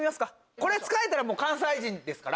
これ使えたら関西人ですから。